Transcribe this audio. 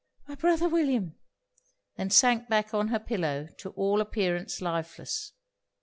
my brother William!' then sunk back on her pillow, to all appearance lifeless.